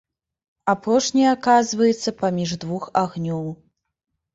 Апошняя аказваецца паміж двух агнёў.